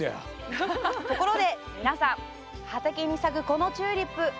ところで皆さん、畑に咲くこのチューリップ